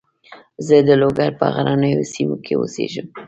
زه د لوګر په غرنیو سیمو کې اوسېږم.